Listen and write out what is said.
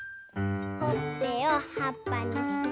ほっぺをはっぱにして。